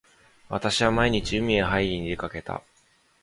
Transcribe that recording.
私は毎日海へはいりに出掛けた。